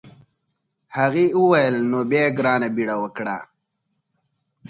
هغې وویل نو بیا ګرانه بیړه وکړه.